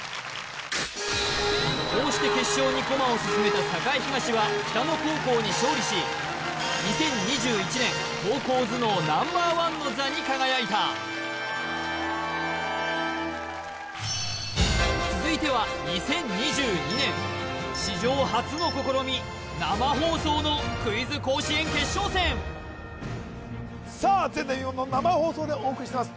こうして決勝に駒を進めた栄東は北野高校に勝利し２０２１年高校頭脳Ｎｏ．１の座に輝いた続いては２０２２年史上初の試み生放送のクイズ甲子園決勝戦さあ前代未聞の生放送でお送りしてます